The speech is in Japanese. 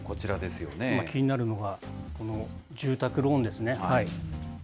気になるのが、この住宅ローンですね。